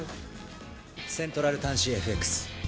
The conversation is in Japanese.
セントラル短資ＦＸ。